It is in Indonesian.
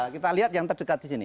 kita lihat yang terdekat disini